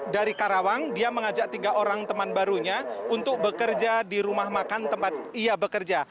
dari karawang dia mengajak tiga orang teman barunya untuk bekerja di rumah makan tempat ia bekerja